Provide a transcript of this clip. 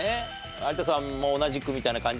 有田さんも同じくみたいな感じ？